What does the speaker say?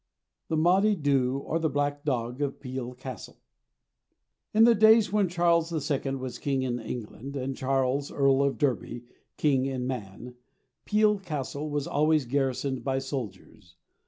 THE MODDEY DOO OR THE BLACK DOG OF PEEL CASTLE In the days when Charles II was king in England and Charles, Earl of Derby, king in Mann, Peel Castle was always garrisoned by soldiers.